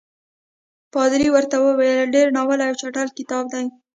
پادري ورته وویل ډېر ناولی او چټل کتاب دی.